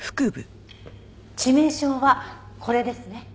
致命傷はこれですね？